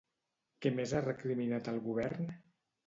Què més ha recriminat al govern?